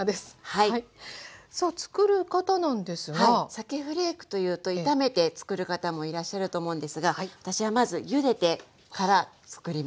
さけフレークというと炒めてつくる方もいらっしゃると思うんですが私はまずゆでてからつくります。